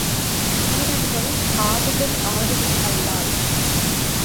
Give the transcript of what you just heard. கீதங்கள் பாடுதல் ஆடுதல் அல்லால்